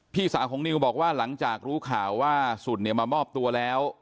พี่สาวของนิวบอกว่าหลังจากรู้ข่าวว่าสุนเนี่ยมามอบตัวแล้ว